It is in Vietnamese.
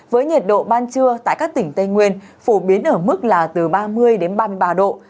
với nhiệt độ ban trưa tại các tỉnh tây nguyên phổ biến ở mức là từ ba mươi đến ba mươi ba độ